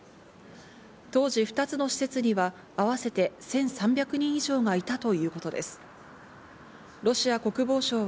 当時２つの施設には合わせて１３００人以上がいたということです。